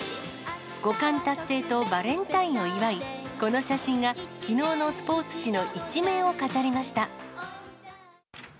五冠達成とバレンタインを祝い、この写真がきのうのスポーツ紙の１面を飾りました。